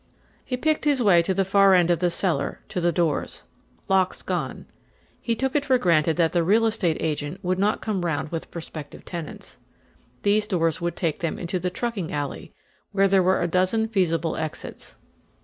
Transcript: He picked his way to the far end of the cellar, to the doors. Locks gone. He took it for granted that the real estate agent would not come round with prospective tenants. These doors would take them into the trucking alley, where there were a dozen feasible exits.